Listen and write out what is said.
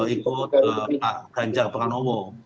ikut ganjar pranowo